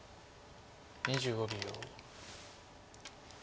２５秒。